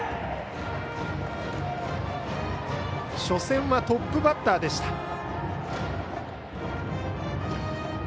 初戦はトップバッターでした。